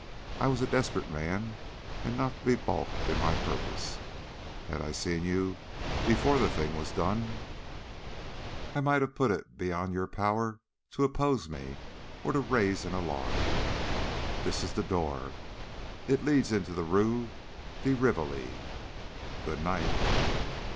I was a desperate man, and not to be baulked in my purpose. Had I seen you before the thing was done, I might have put it beyond your power to oppose me or to raise an alarm. This is the door. It leads into the Rue de Rivoli. Good night!"